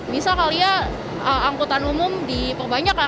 bisa kali ya angkutan umum di pebanyak kan